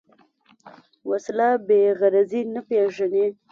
وسله بېغرضي نه پېژني